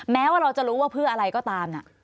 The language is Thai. แม้ว่าเราจะรู้ว่าเพื่ออะไรก็ตาม